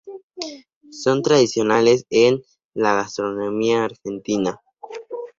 Son tradicionales en la gastronomía argentina.